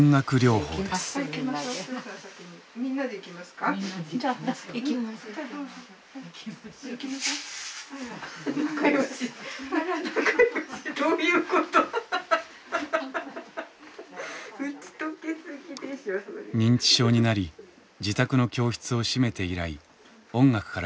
認知症になり自宅の教室を閉めて以来音楽からは遠ざかっていました。